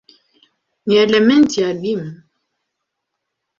Ni elementi adimu.